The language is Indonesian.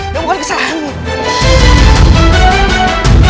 jangan lihat kita jauh